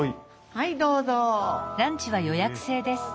はいどうぞ。